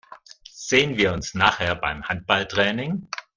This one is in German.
Sehen wir uns nachher beim Handballtraining?